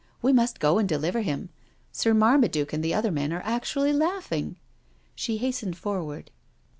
We must go and deliver him. Sir Marmaduke and the other men are actually laughing.'* She hastened forward.